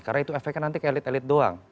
karena itu efeknya nanti ke elit elit doang